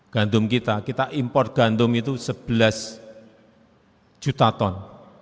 gandum kita kita impor gandum itu sebelas juta ton